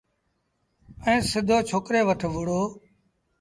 ائيٚݩ سڌو ڇوڪريٚ وٽ وُهڙو۔